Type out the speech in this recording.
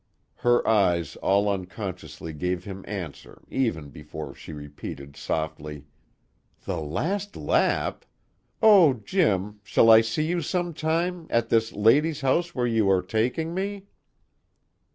Her eyes all unconsciously gave him answer even before she repeated softly: "'The last lap.' Oh, Jim, shall I see you some time, at this lady's house where you are takin' me?"